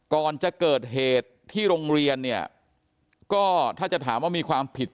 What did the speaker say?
ก่อนจะเกิดเหตุที่โรงเรียนเนี่ยก็ถ้าจะถามว่ามีความผิด